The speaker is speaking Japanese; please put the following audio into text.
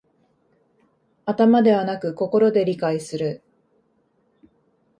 頭ではなく心で理解する